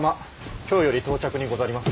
京より到着にござります。